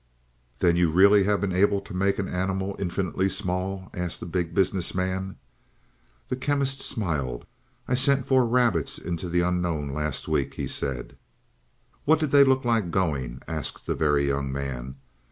"Then you really have been able to make an animal infinitely small?" asked the Big Business Man. The Chemist smiled. "I sent four rabbits into the unknown last week," he said. "What did they look like going?" asked the Very Young Man.